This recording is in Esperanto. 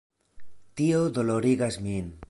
Tio dolorigas min.